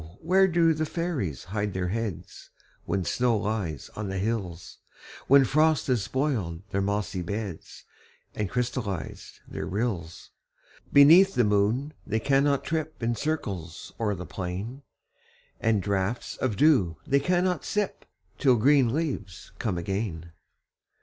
where do fairies hide their heads, When snow lies on the hills, When frost has spoiled their mossy beds, And crystallized their rills? Beneath the moon they cannot trip In circles o'er the plain ; And draughts of dew they cannot sip, Till green leaves come again.